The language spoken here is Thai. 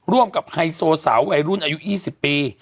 ร่วมกับไฮโซสาววัยรุ่นอายุ๒๐ปี